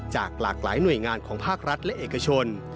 จากหลากหลายหน่วยงานของภาครัฐและเอกชน